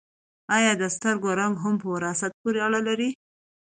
ایا د سترګو رنګ هم په وراثت پورې اړه لري